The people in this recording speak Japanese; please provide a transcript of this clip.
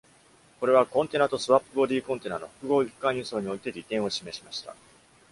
これは、コンテナとスワップボディコンテナの複合一貫輸送において利点を示しました。